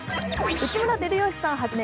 内村光良さん初め